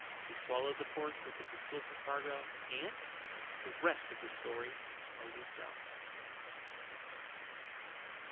He swallowed the pork with its explosive cargo, and— the rest of the story tells itself.